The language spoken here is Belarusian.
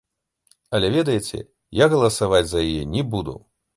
Але ведаеце, я галасаваць за яе не буду.